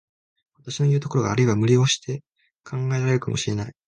私のいう所があるいは無理押しと考えられるかも知れない。